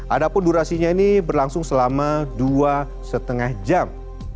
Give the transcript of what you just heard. ada pun durasinya ini berlangsung selama dua lima jam